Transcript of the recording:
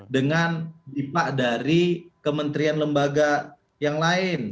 dengan bipa dari kementerian lembaga yang lain